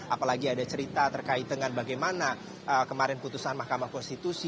apalagi ada cerita terkait dengan bagaimana kemarin putusan mahkamah konstitusi